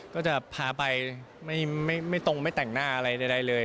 ก็จะพาไปไม่ตรงไม่แต่งหน้าอะไรใดเลย